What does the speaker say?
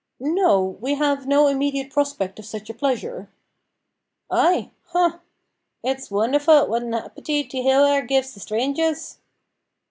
"No; we have no immediate prospect of such a pleasure." "Ay? Hum! it's wonderfu' what an appeteet the hill air gives to strangers."